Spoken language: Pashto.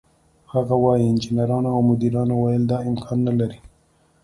هغه وايي: "انجنیرانو او مدیرانو ویل دا امکان نه لري،